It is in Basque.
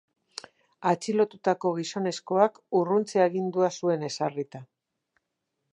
Atxilotutako gizonezkoak urruntze agindua zuen ezarrita.